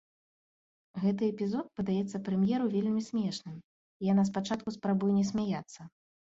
Гэты эпізод падаецца прэм'еру вельмі смешным, і яна спачатку спрабуе не смяяцца.